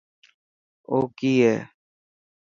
او ڪي هي.